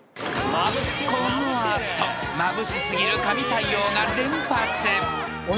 ［この後まぶし過ぎる神対応が連発］